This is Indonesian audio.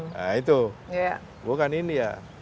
nah itu bukan india